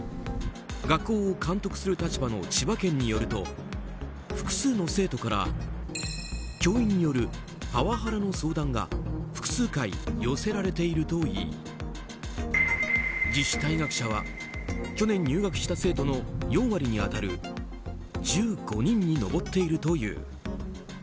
学校を監督する立場の千葉県によると複数の生徒から教員によるパワハラの相談が複数回寄せられているといい自主退学者は去年入学した生徒の４割に当たる１５人に上っているという。